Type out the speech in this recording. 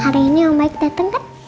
hari ini ombak dateng kan